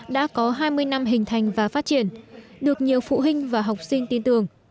đã có hai mươi năm hình thành và phát triển được nhiều phụ huynh và học sinh tin tưởng